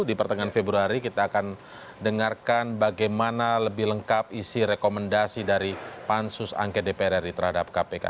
di pertengahan februari kita akan dengarkan bagaimana lebih lengkap isi rekomendasi dari pansus angket dpr ri terhadap kpk